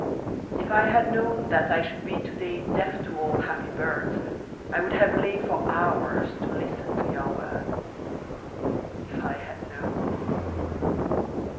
If I had known That I should be to day deaf to all happy birds I would have lain for hours to listen to your words. If I had known!